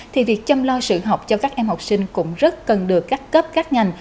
thì việc chăm lo sự học cho các em học sinh cũng rất cần được các cấp các ngành